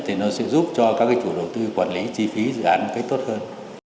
thì nó sẽ giúp cho các cái chủ đầu tư quản lý chi phí dự án cái tốt hơn